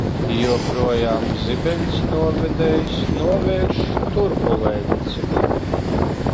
Joprojām zibensnovedējs novērš turbulenci.